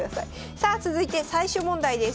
さあ続いて最終問題です。